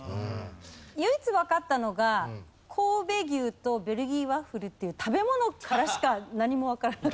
唯一わかったのが神戸牛とベルギーワッフルっていう食べ物からしか何もわからなかった。